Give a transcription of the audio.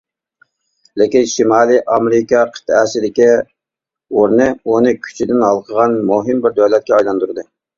لېكىن، شىمالىي ئامېرىكا قىتئەسىدىكى ئورنى، ئۇنى كۈچىدىن ھالقىغان مۇھىم بىر دۆلەتكە ئايلاندۇردى.